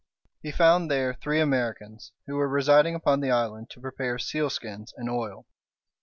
He found there three Americans, who were residing upon the island to prepare sealskins and oil.